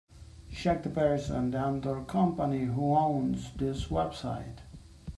Check the person and/or company who owns this website.